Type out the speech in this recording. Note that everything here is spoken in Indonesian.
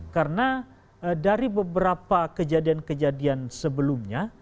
karena dari beberapa kejadian kejadian sebelumnya